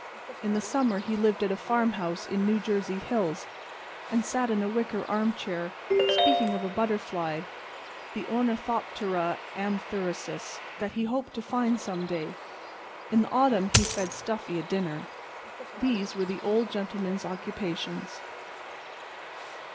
In the summer he lived at a farmhouse in the New Jersey hills, and sat in a wicker armchair, speaking of a butterfly, the ornithoptera amphrisius, that he hoped to find some day. In the autumn he fed Stuffy a dinner. These were the Old Gentleman's occupations.